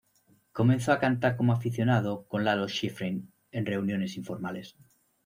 Comenzó a cantar como aficionado con Lalo Schifrin en reuniones informales.